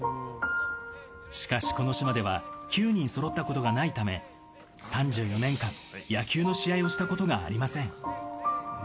しかしこの島では９人そろったことがないため、３４年間、野球の試合をしたことがありません。